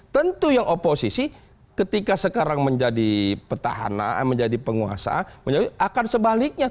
tentu yang oposisi ketika sekarang menjadi petahana menjadi penguasa akan sebaliknya